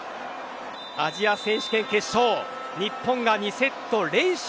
アジア選手権決勝日本が２セット連取。